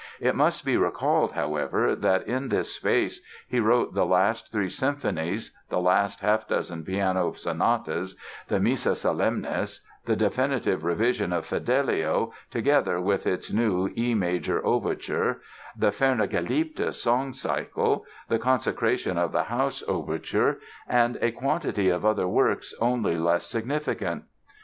It must be recalled, however, that in this space he wrote the last three symphonies, the last half dozen piano sonatas, the Missa Solemnis, the definitive revision of Fidelio together with its new E major overture, the Ferne Geliebte song cycle, the "Consecration of the House" Overture, and a quantity of other works only less significant.